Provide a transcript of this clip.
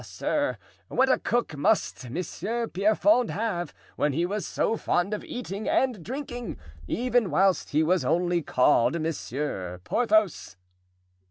sir, what a cook must Monsieur Pierrefonds have, when he was so fond of eating and drinking, even whilst he was only called Monsieur Porthos!"